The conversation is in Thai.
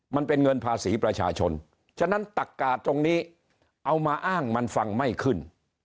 มันเป็นเงินภาษีประชาชนฉะนั้นตักกาตรงนี้เอามาอ้างมันฟังไม่ขึ้น